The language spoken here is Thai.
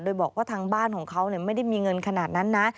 โดยบอกว่าทางบ้านของเขาไม่ได้มีเงินขนาดนั้นนะ